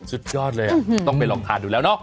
สุดยอดเลยต้องไปลองทานดูแล้วเนาะ